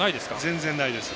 全然ないです。